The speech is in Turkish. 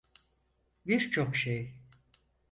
Birçok şey.